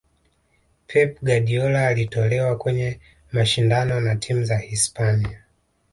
pep guardiola alitolewa kwenye mashindano na timu za hispania